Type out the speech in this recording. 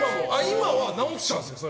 今は直ったんですよ。